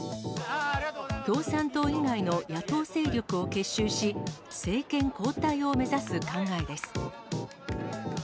共産党以外の野党勢力を結集し、政権交代を目指す考えです。